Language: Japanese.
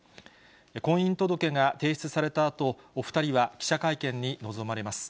婚姻届が提出されたあと、お２人は記者会見に臨まれます。